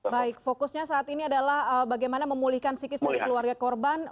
baik fokusnya saat ini adalah bagaimana memulihkan psikis dari keluarga korban